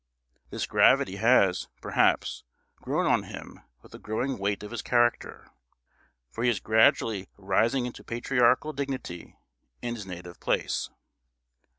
This gravity has, perhaps, grown on him with the growing weight of his character; for he is gradually rising into patriarchal dignity in his native place.